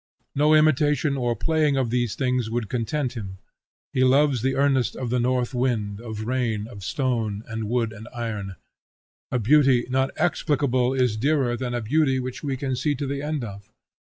No imitation or playing of these things would content him; he loves the earnest of the north wind, of rain, of stone, and wood, and iron. A beauty not explicable is dearer than a beauty which we can see to the end of.